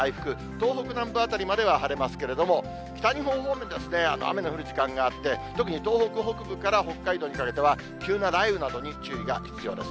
東北南部辺りまでは晴れますけれども、北日本方面では雨の降る時間があって、特に東北北部から北海道にかけては急な雷雨などに注意が必要です。